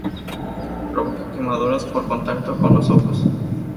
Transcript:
Provoca quemaduras por contacto con los ojos.